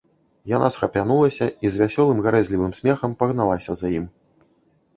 Яна схапянулася і з вясёлым, гарэзлівым смехам пагналася за ім.